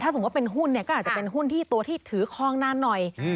ถ้าสมมุติว่าเป็นหุ้นก็อาจจะเป็นหุ้นที่ถือคลองนานหน่อย